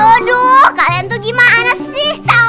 aduh kalian tuh gimana sih